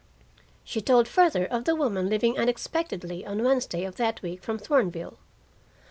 She told further of the woman leaving unexpectedly on Wednesday of that week from Thornville.